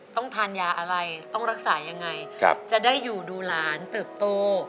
ต้องทานยาอะไรต้องรักษายังไงจะได้อยู่ดูหลานเติบโต